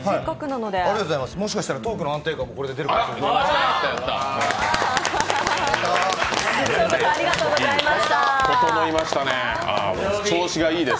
もしかしたらトークの安定感もこれで出るかもしれないので。